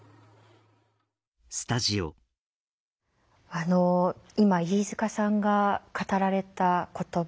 あの今飯塚さんが語られた言葉